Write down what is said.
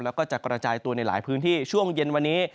แล้วก็จะกระจายตัวในหลายพื้นที่ช่วงเย็นวันนี้